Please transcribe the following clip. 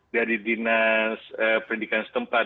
dari dinas pendidikan setempat